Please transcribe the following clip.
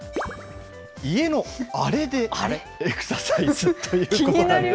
家のアレでエクササイズということで。